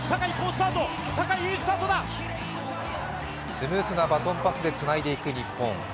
スムーズなバトンパスでつないでいく日本。